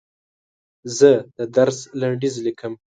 زه د درس لنډیز لیکم.